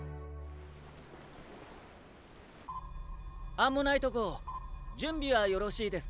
アンモナイト号準備はよろしいですか？